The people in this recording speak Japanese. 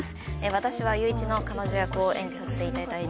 私は裕一の彼女役を演じさせていただいています。